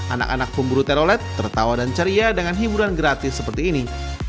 anak anak pemburu telolet tertawa dan ceria dengan hiburan gratis seperti ini